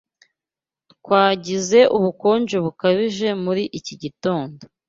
Twagize ubukonje bukabije muri iki gitondo.